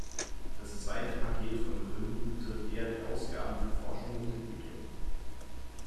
Das zweite Paket von Gründen betrifft eher die Ausgaben für Forschung und Entwicklung.